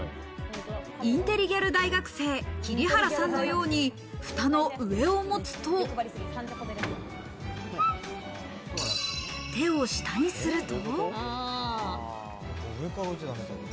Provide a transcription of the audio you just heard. インテリギャル大学生・桐原さんのように蓋の上を持つと手を下にすると。